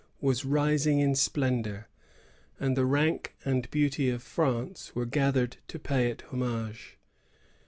was rising in splendor, and the rank and beauty of France were gathered to pay it homage.